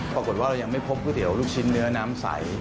ปรากฏว่าเรายังไม่พบก๋วยเตี๋ยวลูกชิ้นเนื้อน้ำใส